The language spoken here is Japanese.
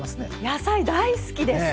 野菜大好きです。